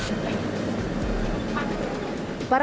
para pengendara yang melanggar